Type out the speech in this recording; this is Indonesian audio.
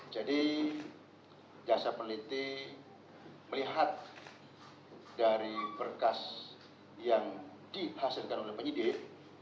jadi jasa peneliti melihat dari berkas yang dihasilkan oleh penyidik